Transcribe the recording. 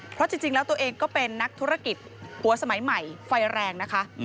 เพราะจริงแล้วตัวเองก็เป็นนักธุรกิจหัวสมัยใหม่ไฟแรงนะคะ